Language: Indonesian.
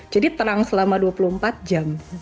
jadi terang selama dua puluh empat jam